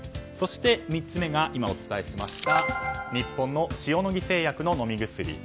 そして３つ目が今お伝えしました日本の塩野義製薬の飲み薬。